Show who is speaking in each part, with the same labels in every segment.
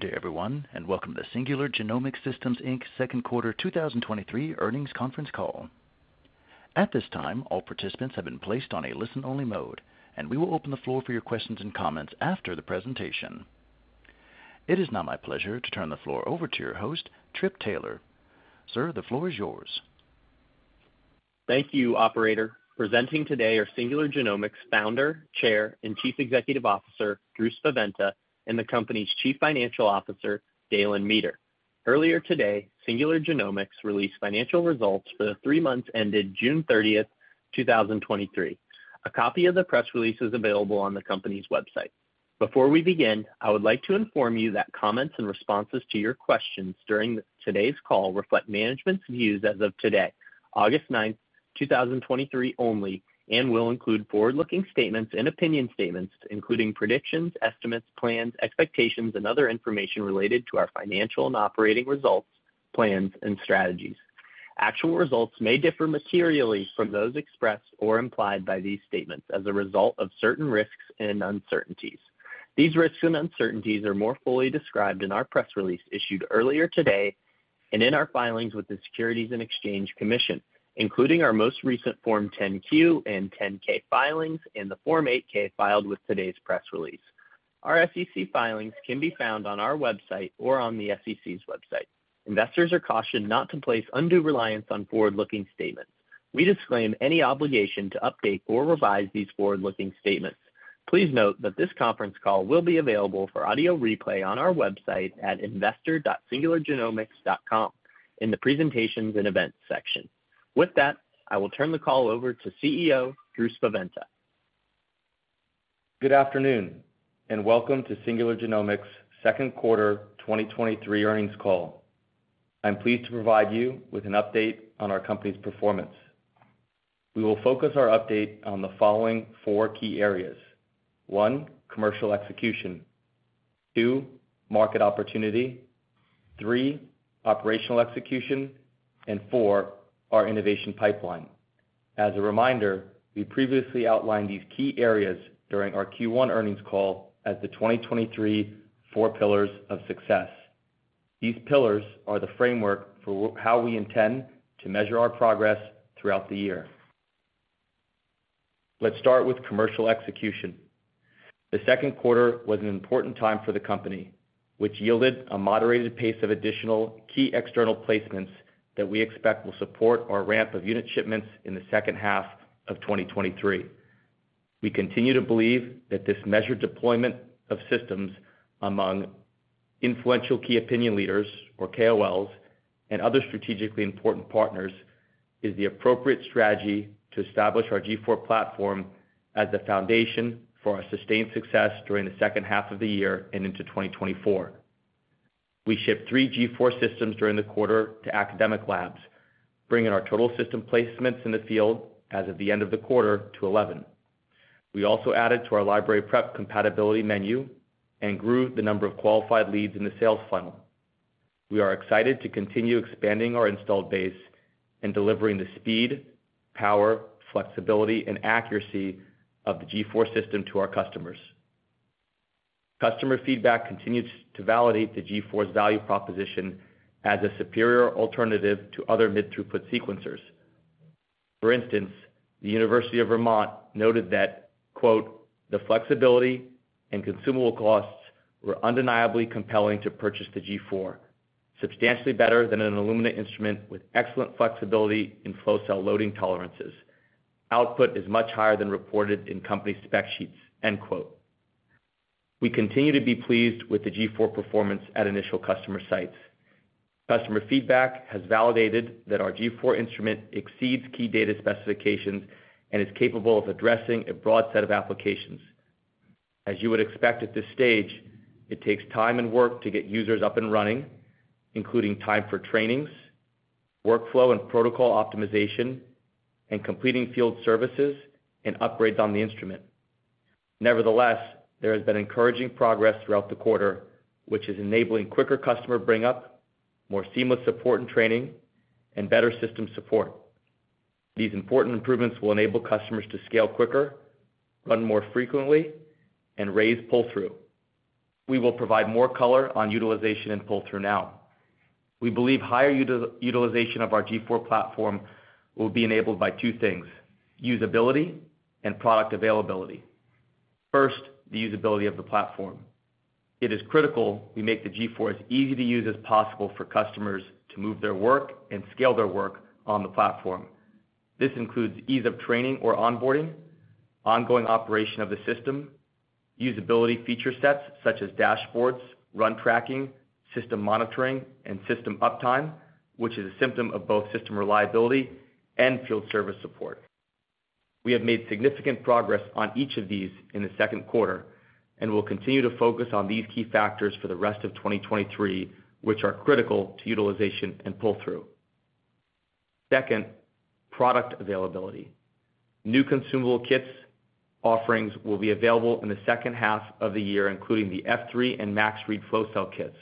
Speaker 1: Good day, everyone, welcome to the Singular Genomics Systems, Inc., second quarter 2023 earnings conference call. At this time, all participants have been placed on a listen-only mode, we will open the floor for your questions and comments after the presentation. It is now my pleasure to turn the floor over to your host, Philip Taylor. Sir, the floor is yours.
Speaker 2: Thank you, operator. Presenting today are Singular Genomics Founder, Chair, and Chief Executive Officer, Drew Spaventa, and the company's Chief Financial Officer, Dalen Meeter. Earlier today, Singular Genomics released financial results for the three months ended 13th June 2023. A copy of the press release is available on the company's website. Before we begin, I would like to inform you that comments and responses to your questions during today's call reflect management's views as of today,9th August 2023 only, and will include forward-looking statements and opinion statements, including predictions, estimates, plans, expectations, and other information related to our financial and operating results, plans, and strategies. Actual results may differ materially from those expressed or implied by these statements as a result of certain risks and uncertainties. These risks and uncertainties are more fully described in our press release issued earlier today and in our filings with the Securities and Exchange Commission, including our most recent Form 10-Q and 10-K filings, and the Form 8-K filed with today's press release. Our SEC filings can be found on our website or on the SEC's website. Investors are cautioned not to place undue reliance on forward-looking statements. We disclaim any obligation to update or revise these forward-looking statements. Please note that this conference call will be available for audio replay on our website at investor.singulargenomics.com in the Presentations and Events section. With that, I will turn the call over to CEO, Drew Spaventa.
Speaker 3: Good afternoon, and welcome to Singular Genomics' second quarter 2023 earnings call. I'm pleased to provide you with an update on our company's performance. We will focus our update on the following four key areas: one, commercial execution, two, market opportunity, three, operational execution, and four, our innovation pipeline. As a reminder, we previously outlined these key areas during our Q1 earnings call as the 2023 four pillars of success. These pillars are the framework for how we intend to measure our progress throughout the year. Let's start with commercial execution. The second quarter was an important time for the company, which yielded a moderated pace of additional key external placements that we expect will support our ramp of unit shipments in the second half of 2023. We continue to believe that this measured deployment of systems among influential Key Opinion Leaders, or KOLs, and other strategically important partners, is the appropriate strategy to establish our G4 platform as the foundation for our sustained success during the second half of the year and into 2024. We shipped three G4 systems during the quarter to academic labs, bringing our total system placements in the field as of the end of the quarter to 11. We also added to our library prep compatibility menu and grew the number of qualified leads in the sales funnel. We are excited to continue expanding our installed base and delivering the speed, power, flexibility, and accuracy of the G4 system to our customers. Customer feedback continues to validate the G4's value proposition as a superior alternative to other mid-throughput sequencers. For instance, the University of Vermont noted that, quote, "The flexibility and consumable costs were undeniably compelling to purchase the G4, substantially better than an Illumina instrument with excellent flexibility in flow cell loading tolerances. Output is much higher than reported in company spec sheets," end quote. We continue to be pleased with the G4 performance at initial customer sites. Customer feedback has validated that our G4 instrument exceeds key data specifications and is capable of addressing a broad set of applications. As you would expect at this stage, it takes time and work to get users up and running, including time for trainings, workflow and protocol optimization, and completing field services and upgrades on the instrument. Nevertheless, there has been encouraging progress throughout the quarter, which is enabling quicker customer bring up, more seamless support and training, and better system support. These important improvements will enable customers to scale quicker, run more frequently, and raise pull-through. We will provide more color on utilization and pull-through now. We believe higher utilization of our G4 platform will be enabled by two things: usability and product availability. First, the usability of the platform. It is critical we make the G4 as easy to use as possible for customers to move their work and scale their work on the platform. This includes ease of training or onboarding, ongoing operation of the system, usability feature sets such as dashboards, run tracking, system monitoring, and system uptime, which is a symptom of both system reliability and field service support. We have made significant progress on each of these in the second quarter. We'll continue to focus on these key factors for the rest of 2023, which are critical to utilization and pull-through. Second, product availability. New consumable kits offerings will be available in the second half of the year, including the F3 and Max Read Flow Cell kits.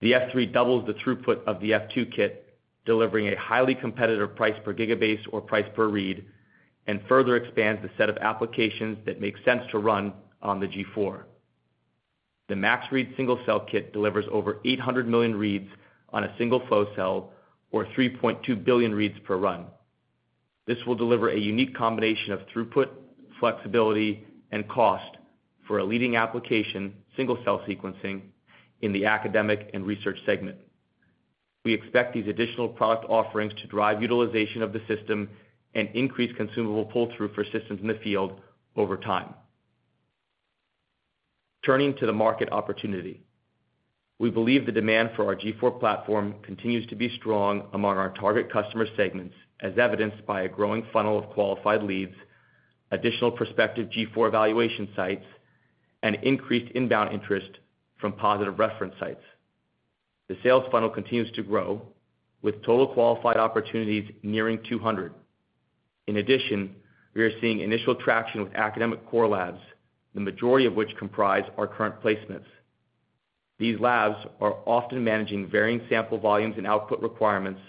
Speaker 3: The F3 doubles the throughput of the F2 kit, delivering a highly competitive price per gigabase or price per read, and further expands the set of applications that make sense to run on the G4. The Max Read single-cell kit delivers over 800 million reads on a single flow cell or 3.2 billion reads per run. This will deliver a unique combination of throughput, flexibility, and cost for a leading application, single-cell sequencing, in the academic and research segment. We expect these additional product offerings to drive utilization of the system and increase consumable pull-through for systems in the field over time. Turning to the market opportunity. We believe the demand for our G4 platform continues to be strong among our target customer segments, as evidenced by a growing funnel of qualified leads, additional prospective G4 evaluation sites, and increased inbound interest from positive reference sites. The sales funnel continues to grow, with total qualified opportunities nearing 200. In addition, we are seeing initial traction with academic core labs, the majority of which comprise our current placements. These labs are often managing varying sample volumes and output requirements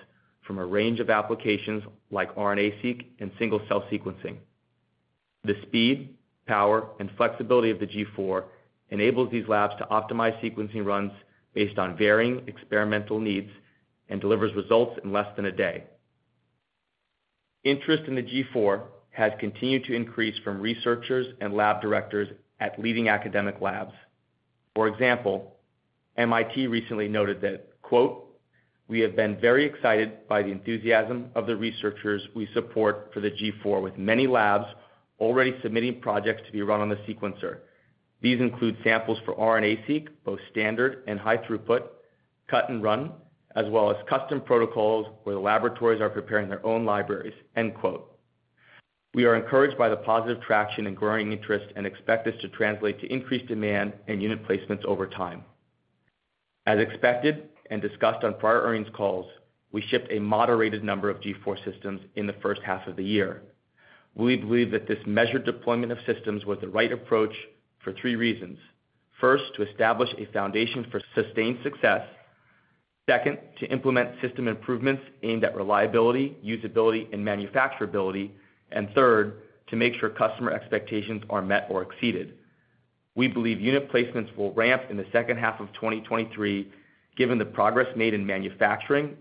Speaker 3: from a range of applications like RNA-Seq and single-cell sequencing. The speed, power, and flexibility of the G4 enables these labs to optimize sequencing runs based on varying experimental needs and delivers results in less than one day. Interest in the G4 has continued to increase from researchers and lab directors at leading academic labs. For example, MIT recently noted that, quote, "We have been very excited by the enthusiasm of the researchers we support for the G4, with many labs already submitting projects to be run on the sequencer. These include samples for RNA-Seq, both standard and high throughput, CUT&RUN, as well as custom protocols where the laboratories are preparing their own libraries," end quote. We are encouraged by the positive traction and growing interest and expect this to translate to increased demand and unit placements over time. As expected and discussed on prior earnings calls, we shipped a moderated number of G4 systems in the first half of the year. We believe that this measured deployment of systems was the right approach for three reasons. First, to establish a foundation for sustained success. Second, to implement system improvements aimed at reliability, usability, and manufacturability. Third, to make sure customer expectations are met or exceeded. We believe unit placements will ramp in the second half of 2023, given the progress made in manufacturing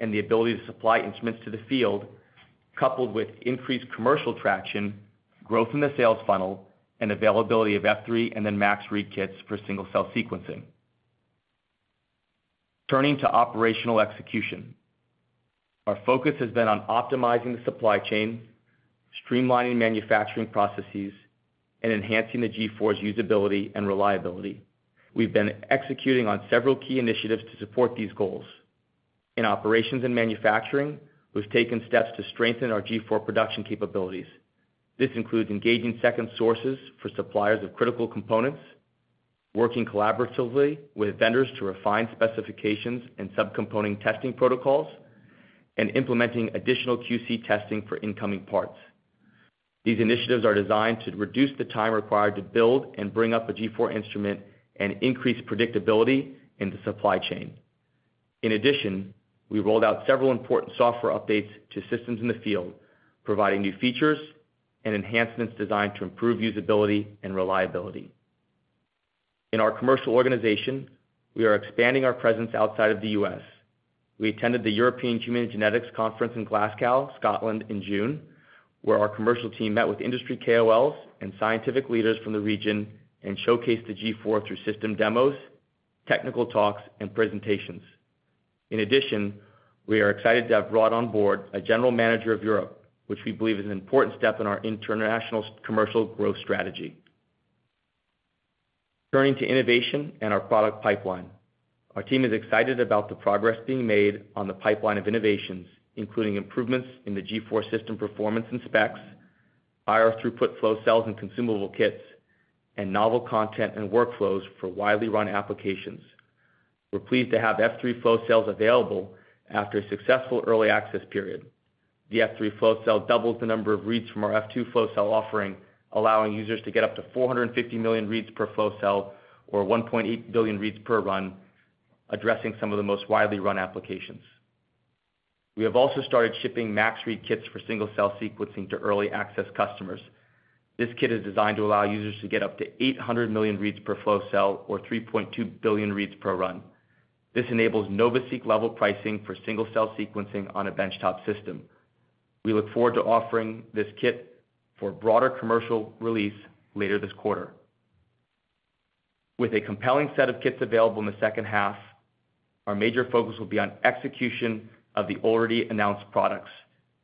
Speaker 3: and the ability to supply instruments to the field, coupled with increased commercial traction, growth in the sales funnel, and availability of F3 and then Max Read Kits for single-cell sequencing. Turning to operational execution. Our focus has been on optimizing the supply chain, streamlining manufacturing processes, and enhancing the G4's usability and reliability. We've been executing on several key initiatives to support these goals. In operations and manufacturing, we've taken steps to strengthen our G4 production capabilities. This includes engaging second sources for suppliers of critical components, working collaboratively with vendors to refine specifications and subcomponent testing protocols, and implementing additional QC testing for incoming parts. These initiatives are designed to reduce the time required to build and bring up a G4 instrument and increase predictability in the supply chain. We rolled out several important software updates to systems in the field, providing new features and enhancements designed to improve usability and reliability. In our commercial organization, we are expanding our presence outside of the U.S. We attended the European Human Genetics Conference in Glasgow, Scotland, in June, where our commercial team met with industry KOLs and scientific leaders from the region and showcased the G4 through system demos, technical talks, and presentations. We are excited to have brought on board a general manager of Europe, which we believe is an important step in our international commercial growth strategy. Turning to innovation and our product pipeline. Our team is excited about the progress being made on the pipeline of innovations, including improvements in the G4 system performance and specs, higher throughput flow cells and consumable kits, and novel content and workflows for widely run applications. We're pleased to have F3 flow cells available after a successful early access period. The F3 flow cell doubles the number of reads from our F2 flow cell offering, allowing users to get up to 450 million reads per flow cell or 1.8 billion reads per run, addressing some of the most widely run applications. We have also started shipping Max Read Kits for single-cell sequencing to early access customers. This kit is designed to allow users to get up to 800 million reads per flow cell or 3.2 billion reads per run. This enables NovaSeq level pricing for single-cell sequencing on a benchtop system. We look forward to offering this kit for broader commercial release later this quarter. With a compelling set of kits available in the second half, our major focus will be on execution of the already announced products,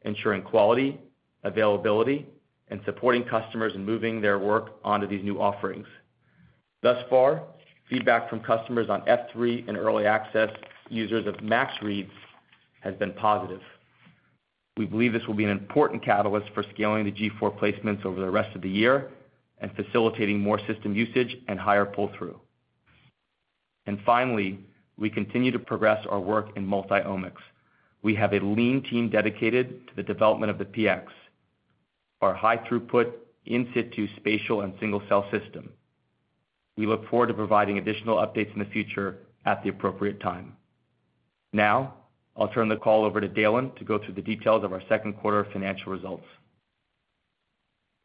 Speaker 3: ensuring quality, availability, and supporting customers in moving their work onto these new offerings. Thus far, feedback from customers on F3 and early access users of Max Reads has been positive. We believe this will be an important catalyst for scaling the G4 placements over the rest of the year and facilitating more system usage and higher pull-through. Finally, we continue to progress our work in multi-omics. We have a lean team dedicated to the development of the PX, our high throughput in situ spatial and single-cell system. We look forward to providing additional updates in the future at the appropriate time. Now, I'll turn the call over to Dalen to go through the details of our second quarter financial results.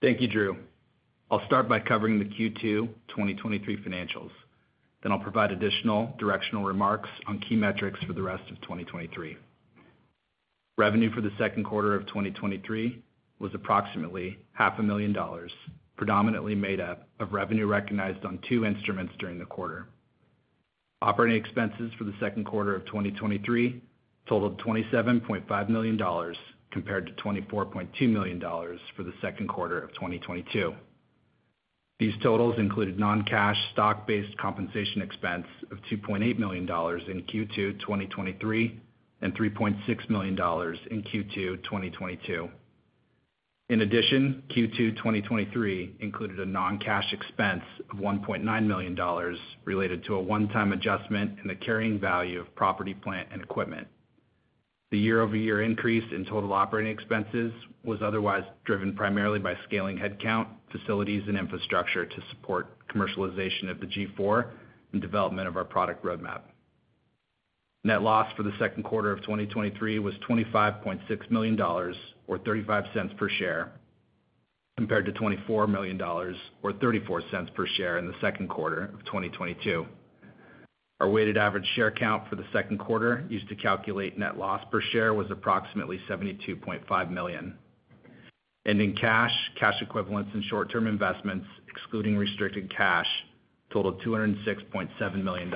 Speaker 4: Thank you, Drew. I'll start by covering the Q2 2023 financials, then I'll provide additional directional remarks on key metrics for the rest of 2023. Revenue for the second quarter of 2023 was approximately $500,000, predominantly made up of revenue recognized on two instruments during the quarter. Operating expenses for the second quarter of 2023 totaled $27.5 million, compared to $24.2 million for the second quarter of 2022. These totals included non-cash stock-based compensation expense of $2.8 million in Q2 2023 and $3.6 million in Q2 2022. In addition, Q2 2023 included a non-cash expense of $1.9 million related to a one-time adjustment in the carrying value of property, plant, and equipment. The year-over-year increase in total operating expenses was otherwise driven primarily by scaling headcount, facilities, and infrastructure to support commercialization of the G4 and development of our product roadmap. Net loss for the second quarter of 2023 was $25.6 million, or $0.35 per share, compared to $24 million, or $0.34 per share, in the second quarter of 2022. Our weighted average share count for the second quarter, used to calculate net loss per share, was approximately 72.5 million. Ending cash, cash equivalents, and short-term investments, excluding restricted cash, totaled $206.7 million.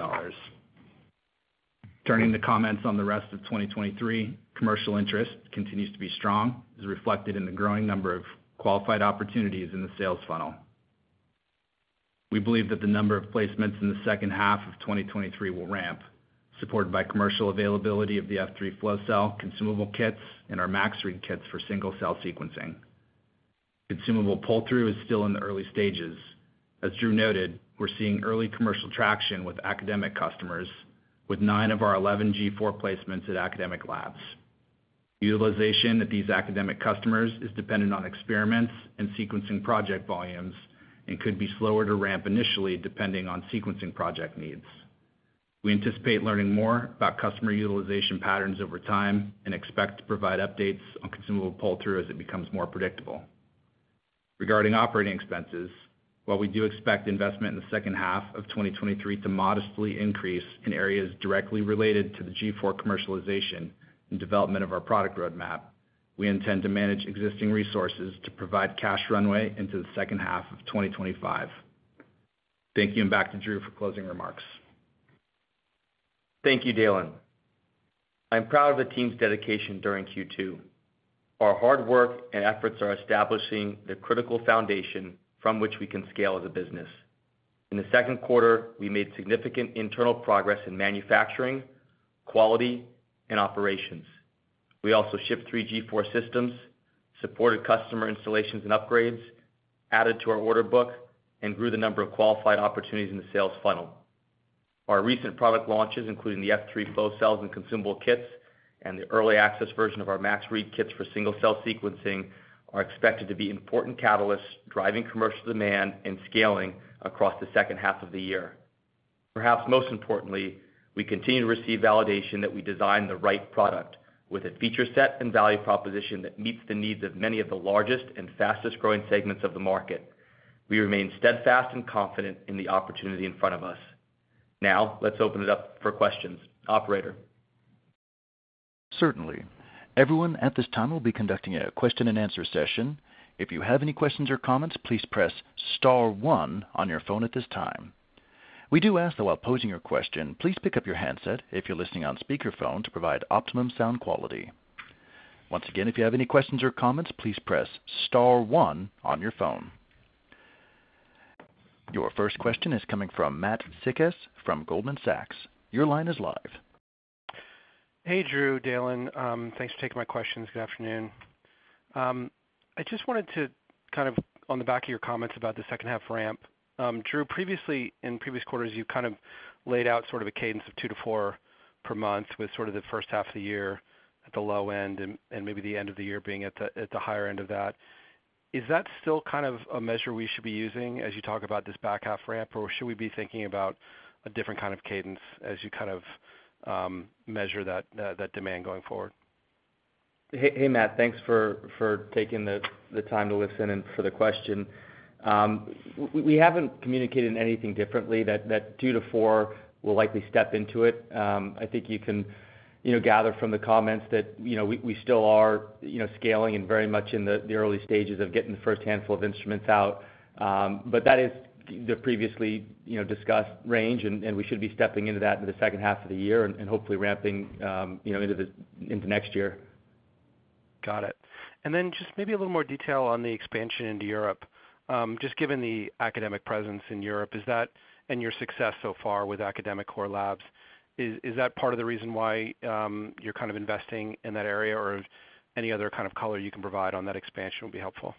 Speaker 4: Turning to comments on the rest of 2023, commercial interest continues to be strong, as reflected in the growing number of qualified opportunities in the sales funnel. We believe that the number of placements in the second half of 2023 will ramp, supported by commercial availability of the F3 flow cell consumable kits and our Max Read Kits for single-cell sequencing. Consumable pull-through is still in the early stages. As Drew noted, we're seeing early commercial traction with academic customers, with nine of our 11 G4 placements at academic labs. Utilization at these academic customers is dependent on experiments and sequencing project volumes and could be slower to ramp initially, depending on sequencing project needs. We anticipate learning more about customer utilization patterns over time and expect to provide updates on consumable pull-through as it becomes more predictable. Regarding operating expenses, while we do expect investment in the second half of 2023 to modestly increase in areas directly related to the G4 commercialization and development of our product roadmap, we intend to manage existing resources to provide cash runway into the second half of 2025. Thank you, and back to Drew for closing remarks.
Speaker 3: Thank you, Dalen. I'm proud of the team's dedication during Q2. Our hard work and efforts are establishing the critical foundation from which we can scale as a business. In the second quarter, we made significant internal progress in manufacturing, quality, and operations. We also shipped three G4 systems, supported customer installations and upgrades, added to our order book, and grew the number of qualified opportunities in the sales funnel. Our recent product launches, including the F3 flow cells and consumable kits, and the early access version of our Max Read Kits for single-cell sequencing, are expected to be important catalysts, driving commercial demand and scaling across the second half of the year. Perhaps most importantly, we continue to receive validation that we designed the right product with a feature set and value proposition that meets the needs of many of the largest and fastest-growing segments of the market. We remain steadfast and confident in the opportunity in front of us. Now, let's open it up for questions. Operator?
Speaker 1: Certainly. Everyone, at this time, we'll be conducting a question-and-answer session. If you have any questions or comments, please press star one on your phone at this time. We do ask, though, while posing your question, please pick up your handset if you're listening on speakerphone to provide optimum sound quality. Once again, if you have any questions or comments, please press star one on your phone. Your first question is coming from Matt Sykes from Goldman Sachs. Your line is live.
Speaker 5: Hey, Drew, Dalen. Thanks for taking my questions. Good afternoon. I just wanted to, kind of on the back of your comments about the second half ramp, Drew, previously, in previous quarters, you kind of laid out sort of a cadence of two-four per month, with sort of the first half of the year at the low end and, and maybe the end of the year being at the, at the higher end of that. Is that still kind of a measure we should be using as you talk about this back half ramp, or should we be thinking about a different kind of cadence as you kind of measure that demand going forward?
Speaker 3: Hey, hey, Matt, thanks for taking the time to listen and for the question. We, we haven't communicated anything differently that two-four will likely step into it. I think you can, you know, gather from the comments that, you know, we, we still are, you know, scaling and very much in the early stages of getting the first handful of instruments out. That is the previously, you know, discussed range, and we should be stepping into that in the second half of the year and hopefully ramping, you know, into next year.
Speaker 5: Got it. Just maybe a little more detail on the expansion into Europe. Just given the academic presence in Europe, and your success so far with academic core labs, is that part of the reason why you're kind of investing in that area, or any other kind of color you can provide on that expansion would be helpful?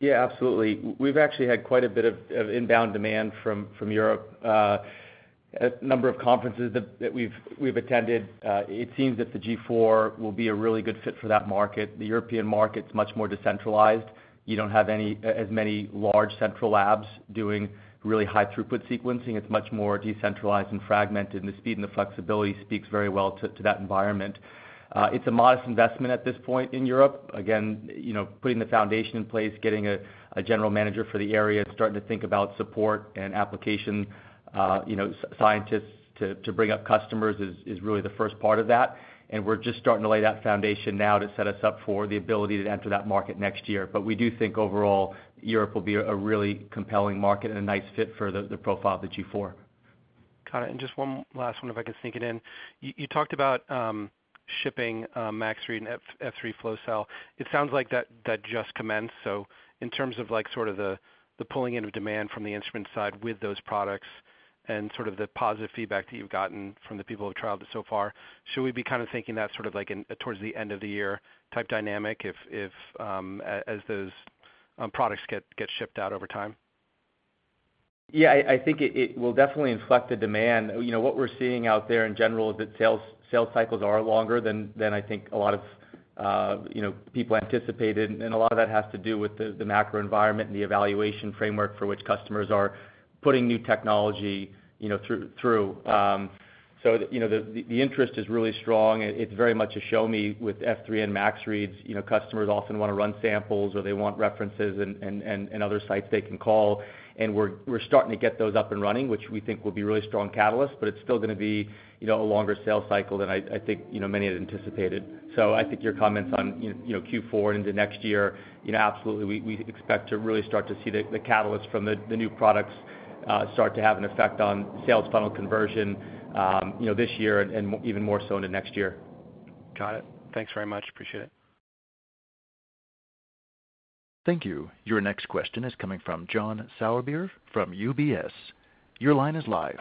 Speaker 3: Yeah, absolutely. We've actually had quite a bit of, of inbound demand from, from Europe. A number of conferences that, that we've, we've attended, it seems that the G4 will be a really good fit for that market. The European market's much more decentralized. You don't have any, as many large central labs doing really high throughput sequencing. It's much more decentralized and fragmented, and the speed and the flexibility speaks very well to, to that environment. It's a modest investment at this point in Europe. Again, you know, putting the foundation in place, getting a, a general manager for the area, and starting to think about support and application, you know, scientists to, to bring up customers is, is really the first part of that. We're just starting to lay that foundation now to set us up for the ability to enter that market next year. We do think overall, Europe will be a really compelling market and a nice fit for the profile of the G4.
Speaker 5: Got it. Just one last one, if I can sneak it in. You, you talked about shipping Max Read and F3 Flow Cell. It sounds like that, that just commenced. In terms of like, sort of the, the pulling in of demand from the instrument side with those products and sort of the positive feedback that you've gotten from the people who've trialed it so far, should we be kind of thinking that sort of like in, towards the end of the year type dynamic, if, if as those products get, get shipped out over time?
Speaker 3: Yeah, I, I think it, it will definitely inflect the demand. You know, what we're seeing out there in general is that sales, sales cycles are longer than, than I think a lot of, you know, people anticipated, and, and a lot of that has to do with the, the macro environment and the evaluation framework for which customers are putting new technology, you know, through, through. You know, the, the interest is really strong. It, it's very much a show me with F3 and Max Reads. You know, customers often wanna run samples, or they want references and, and, and, and other sites they can call, and we're, we're starting to get those up and running, which we think will be a really strong catalyst, but it's still gonna be, you know, a longer sales cycle than I, I think, you know, many had anticipated. I think your comments on, you, you know, Q4 into next year, you know, absolutely, we, we expect to really start to see the, the catalyst from the, the new products, start to have an effect on sales funnel conversion, you know, this year and, and even more so into next year.
Speaker 5: Got it. Thanks very much. Appreciate it.
Speaker 1: Thank you. Your next question is coming from John Sourbeer from UBS. Your line is live.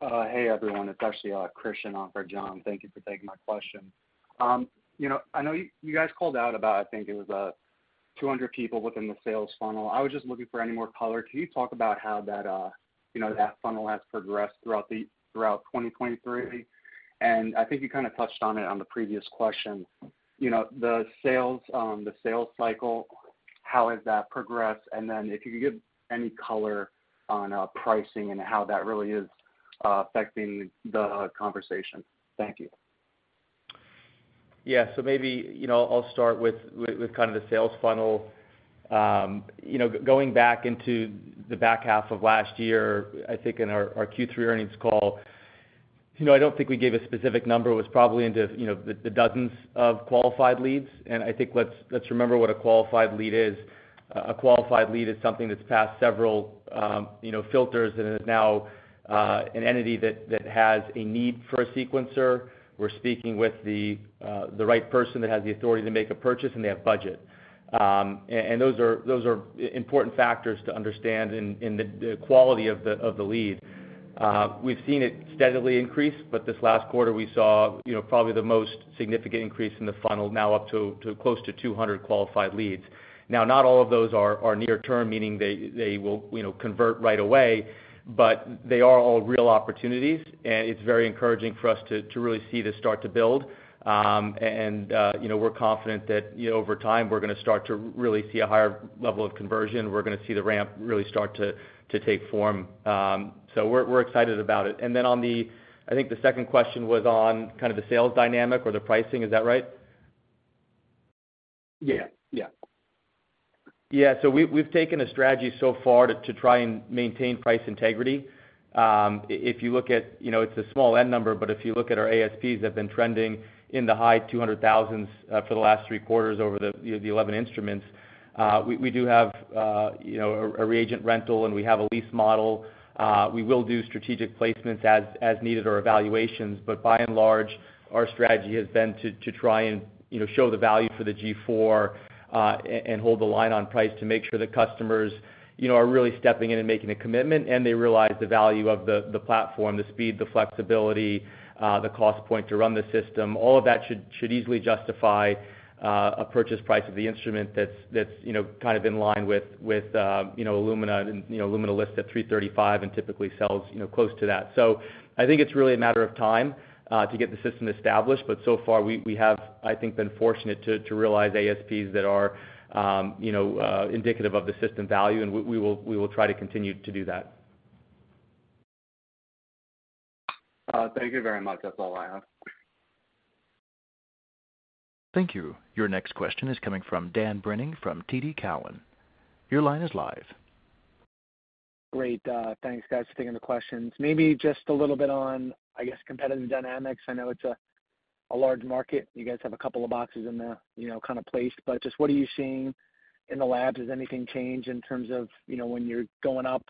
Speaker 6: Hey, everyone. It's actually Christian on for John. Thank you for taking my question. You know, I know you, you guys called out about, I think it was 200 people within the sales funnel. I was just looking for any more color. Can you talk about how that, you know, that funnel has progressed throughout 2023? I think you kind of touched on it on the previous question, you know, the sales, the sales cycle, how has that progressed? Then if you could give any color on pricing and how that really is affecting the conversation. Thank you.
Speaker 3: Yeah. Maybe, you know, I'll start with, with, with kind of the sales funnel. You know, going back into the back half of last year, I think in our Q3 earnings call, you know, I don't think we gave a specific number. It was probably into, you know, the dozens of qualified leads. I think let's, let's remember what a qualified lead is. A qualified lead is something that's passed several, you know, filters and is now an entity that, that has a need for a sequencer. We're speaking with the right person that has the authority to make a purchase, and they have budget. Those are, those are important factors to understand in, in the, the quality of the, of the lead. We've seen it steadily increase, but this last quarter we saw, you know, probably the most significant increase in the funnel now up to close to 200 qualified leads. Not all of those are near term, meaning they will, you know, convert right away, but they are all real opportunities, and it's very encouraging for us to really see this start to build. You know, we're confident that, you know, over time, we're gonna start to really see a higher level of conversion. We're gonna see the ramp really start to take form. We're excited about it. I think the second question was on kind of the sales dynamic or the pricing. Is that right?
Speaker 6: Yeah. Yeah.
Speaker 3: Yeah, we've taken a strategy so far to try and maintain price integrity. If you look at, you know, it's a small N number, but if you look at our ASPs that have been trending in the high $200,000s, for the last three quarters over the, you know, the 11 instruments, we do have, you know, a reagent rental, and we have a lease model. We will do strategic placements as, as needed, or evaluations, but by and large, our strategy has been to, to try and, you know, show the value for the G4, and hold the line on price to make sure the customers, you know, are really stepping in and making a commitment, and they realize the value of the, the platform, the speed, the flexibility, the cost point to run the system. All of that should, should easily justify a purchase price of the instrument that's, that's, you know, kind of in line with, with, you know, Illumina. You know, Illumina lists at $335,000 and typically sells, you know, close to that. I think it's really a matter of time to get the system established, but so far, we, we have, I think, been fortunate to, to realize ASPs that are, you know, indicative of the system value, and we, we will, we will try to continue to do that.
Speaker 6: Thank you very much. That's all I have.
Speaker 1: Thank you. Your next question is coming from Dan Brennan, from TD Cowen. Your line is live.
Speaker 7: Great. Thanks, guys, for taking the questions. Maybe just a little bit on, I guess, competitive dynamics. I know it's a, a large market. You guys have a couple of boxes in there, you know, kind of placed, but just what are you seeing in the labs? Has anything changed in terms of, you know, when you're going up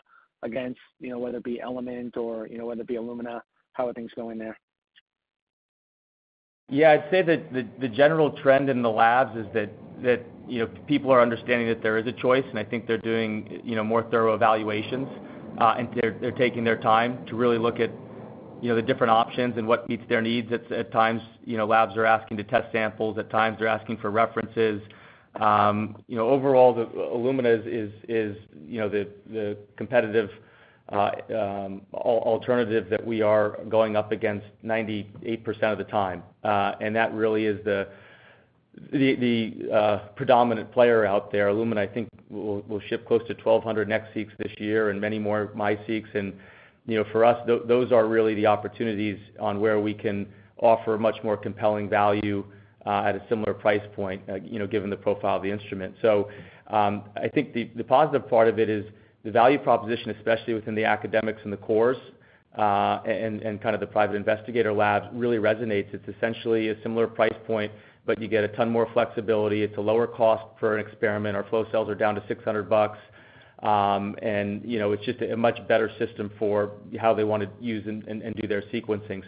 Speaker 7: against, you know, whether it be Element or, you know, whether it be Illumina? How are things going there?
Speaker 3: Yeah, I'd say that the, the general trend in the labs is that, that, you know, people are understanding that there is a choice, and I think they're doing, you know, more thorough evaluations, and they're, they're taking their time to really look at... you know, the different options and what meets their needs. At, at times, you know, labs are asking to test samples, at times they're asking for references. You know, overall, the Illumina is, is, is, you know, the, the competitive alternative that we are going up against 98% of the time, and that really is the, the, the, predominant player out there. Illumina, I think, will, will ship close to 1,200 NextSeqs this year and many more MiSeqs. You know, for us, those are really the opportunities on where we can offer much more compelling value at a similar price point, you know, given the profile of the instrument. I think the, the positive part of it is the value proposition, especially within the academics and the cores, and, and kind of the principal investigator labs, really resonates. It's essentially a similar price point, but you get a ton more flexibility, it's a lower cost for an experiment. Our flow cells are down to $600, and, you know, it's just a much better system for how they want to use and, and do their sequencing.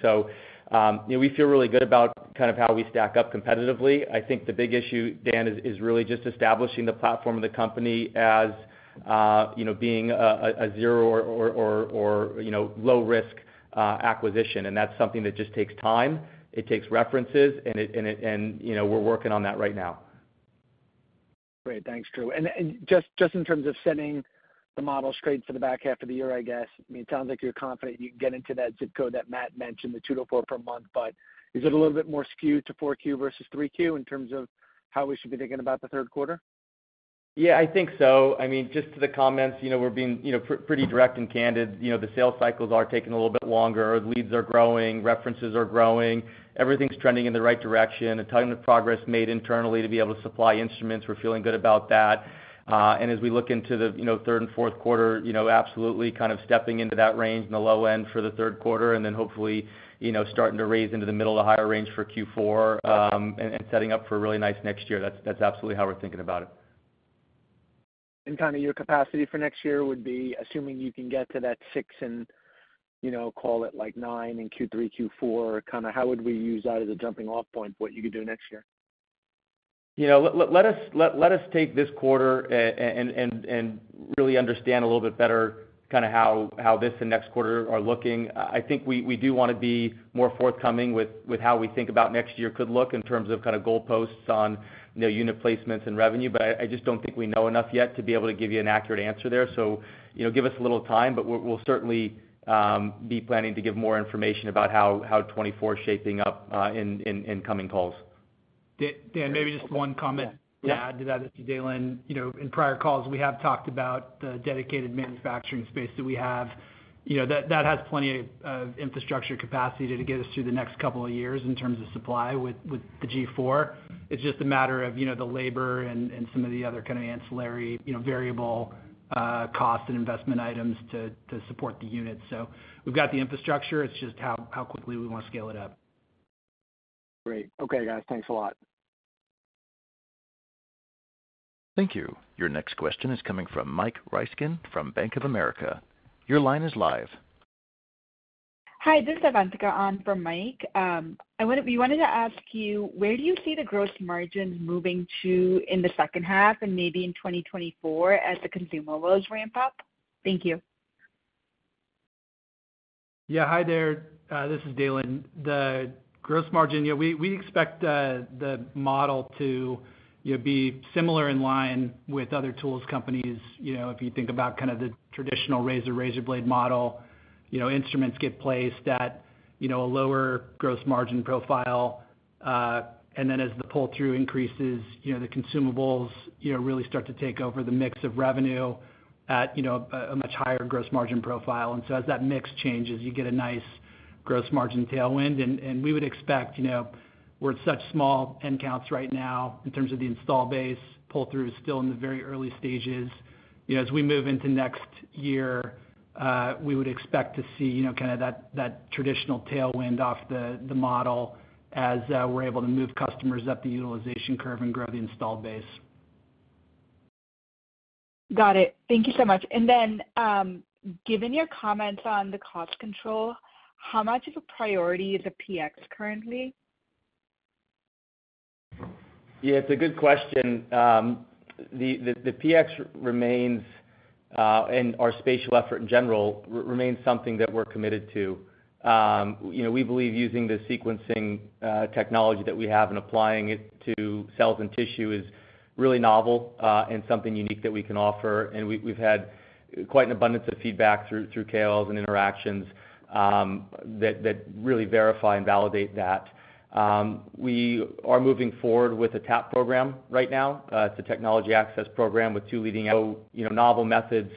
Speaker 3: You know, we feel really good about kind of how we stack up competitively. I think the big issue, Dan, is really just establishing the platform of the company as, you know, being a zero or, you know, low risk acquisition. That's something that just takes time, it takes references, and, you know, we're working on that right now.
Speaker 7: Great. Thanks, Drew. Just, just in terms of setting the model straight for the back half of the year, I guess, I mean, it sounds like you're confident you can get into that ZIP code that Matt mentioned, the two-four per month, but is it a little bit more skewed to 4Q versus 3Q, in terms of how we should be thinking about the third quarter?
Speaker 3: Yeah, I think so. I mean, just to the comments, you know, we're being, you know, pretty direct and candid. You know, the sales cycles are taking a little bit longer. Leads are growing, references are growing, everything's trending in the right direction. A ton of progress made internally to be able to supply instruments, we're feeling good about that. As we look into the, you know, third and fourth quarter, you know, absolutely, kind of stepping into that range in the low end for the third quarter, and then hopefully, you know, starting to raise into the middle to higher range for Q4, and, and setting up for a really nice next year. That's, that's absolutely how we're thinking about it.
Speaker 7: Kind of your capacity for next year would be, assuming you can get to that six and, you know, call it like nine in Q3, Q4, kind of how would we use that as a jumping off point for what you could do next year?
Speaker 3: You know, let us take this quarter and really understand a little bit better kind of how, how this and next quarter are looking. I, I think we, we do want to be more forthcoming with, with how we think about next year could look, in terms of kind of goalposts on, you know, unit placements and revenue, but I, I just don't think we know enough yet to be able to give you an accurate answer there. You know, give us a little time, but we'll, we'll certainly be planning to give more information about how, how 2024 is shaping up in coming calls.
Speaker 4: Dan, maybe just one comment.
Speaker 7: Yeah.
Speaker 4: to add to that, Dalen. You know, in prior calls, we have talked about the dedicated manufacturing space that we have. You know, that, that has plenty of, of infrastructure capacity to get us through the next couple of years in terms of supply with, with the G4. It's just a matter of, you know, the labor and, and some of the other kind of ancillary, you know, variable cost and investment items to, to support the units. We've got the infrastructure, it's just how, how quickly we want to scale it up.
Speaker 7: Great. Okay, guys. Thanks a lot.
Speaker 1: Thank you. Your next question is coming from Mike Ryskin from Bank of America. Your line is live.
Speaker 8: Hi, this is Avantika on for Mike. We wanted to ask you, where do you see the gross margin moving to in the second half and maybe in 2024 as the consumables ramp up? Thank you.
Speaker 4: Yeah. Hi there, this is Dalen. The gross margin, yeah, we, we expect the model to, you know, be similar in line with other tools companies. You know, if you think about kind of the traditional razor-razorblade model, you know, instruments get placed at, you know, a lower gross margin profile. Then as the pull-through increases, you know, the consumables, you know, really start to take over the mix of revenue at, you know, a, a much higher gross margin profile. So as that mix changes, you get a nice gross margin tailwind. And we would expect, you know, we're at such small end counts right now in terms of the install base, pull-through is still in the very early stages. You know, as we move into next year, we would expect to see, you know, kind of that, that traditional tailwind off the, the model as, we're able to move customers up the utilization curve and grow the installed base.
Speaker 8: Got it. Thank you so much. Then, given your comments on the cost control, how much of a priority is a PX currently?
Speaker 3: Yeah, it's a good question. The PX remains, and our spatial effort in general, remains something that we're committed to. You know, we believe using the sequencing technology that we have and applying it to cells and tissue is really novel, and something unique that we can offer. We, we've had quite an abundance of feedback through, through KOLs and interactions, that, that really verify and validate that. We are moving forward with a TAP program right now. It's a Technology Access Program with two leading, you know, novel methods,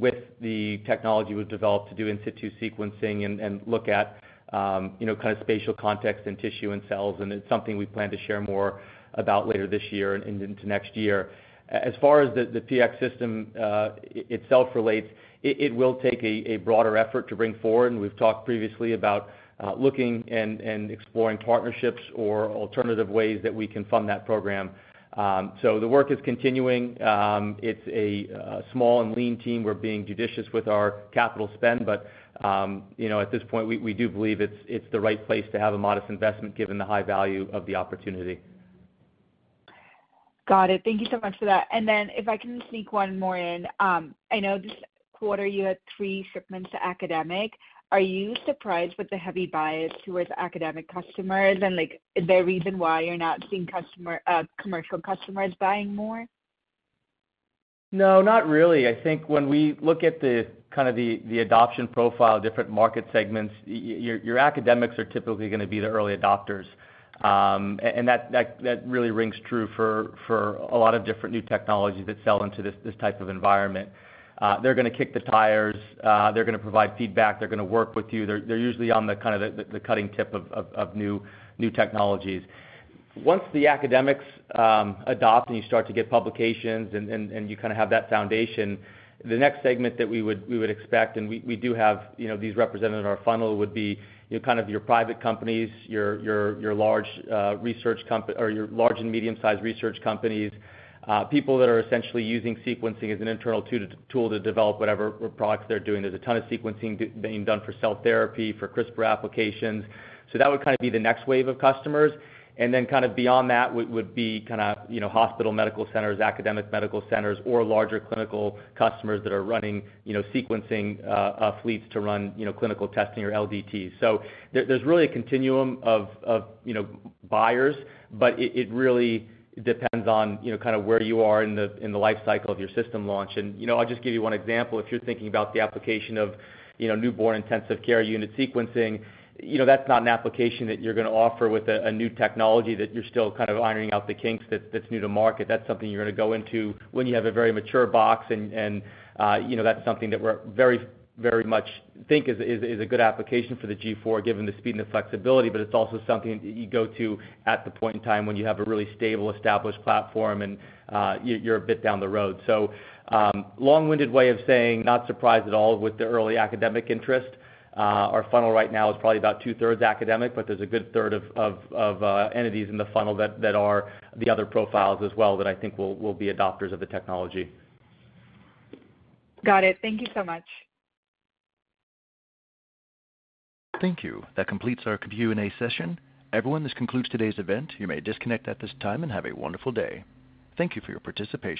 Speaker 3: with the technology we've developed to do in situ sequencing and, and look at, you know, kind of spatial context and tissue and cells, and it's something we plan to share more about later this year and into next year. As far as the, the PX system itself relates, it, it will take a, a broader effort to bring forward, and we've talked previously about looking and, and exploring partnerships or alternative ways that we can fund that program. The work is continuing. It's a small and lean team. We're being judicious with our capital spend, you know, at this point, we, we do believe it's, it's the right place to have a modest investment, given the high value of the opportunity.
Speaker 8: Got it. Thank you so much for that. Then if I can sneak one more in, I know this quarter you had three shipments to academic. Are you surprised with the heavy bias towards academic customers, and, like, is there a reason why you're not seeing customer, commercial customers buying more?
Speaker 3: No, not really. I think when we look at the, the adoption profile, different market segments, your academics are typically gonna be the early adopters. That, that, that really rings true for, for a lot of different new technologies that sell into this, this type of environment. They're gonna kick the tires, they're gonna provide feedback, they're gonna work with you. They're, they're usually on the, the cutting tip of, of, of new, new technologies. Once the academics, adopt, and you start to get publications, and, and, and you kind of have that foundation, the next segment that we would, we would expect, and we, we do have, you know, these represented in our funnel, would be, you know, kind of your private companies, your, your, your large, research or your large and medium-sized research companies. People that are essentially using sequencing as an internal tool to develop whatever products they're doing. There's a ton of sequencing being done for cell therapy, for CRISPR applications. That would kind of be the next wave of customers. Then kind of beyond that, would, would be kind of, you know, hospital medical centers, academic medical centers, or larger clinical customers that are running, you know, sequencing, fleets to run, you know, clinical testing or LDTs. There, there's really a continuum of, of, you know, buyers, but it, it really depends on, you know, kind of where you are in the, in the life cycle of your system launch. You know, I'll just give you one example. If you're thinking about the application of, you know, neonatal intensive care unit sequencing, you know, that's not an application that you're gonna offer with a, a new technology that you're still kind of ironing out the kinks, that's, that's new to market. That's something you're gonna go into when you have a very mature box and, and, you know, that's something that we're very, very much think is, is, is a good application for the G4, given the speed and the flexibility, but it's also something you go to at the point in time when you have a really stable, established platform and, you're a bit down the road. Long-winded way of saying, not surprised at all with the early academic interest. Our funnel right now is probably about two-thirds academic, but there's a good third of, of, of, entities in the funnel that, that are the other profiles as well, that I think will, will be adopters of the technology.
Speaker 8: Got it. Thank you so much.
Speaker 1: Thank you. That completes our Q&A session. Everyone, this concludes today's event. You may disconnect at this time and have a wonderful day. Thank you for your participation.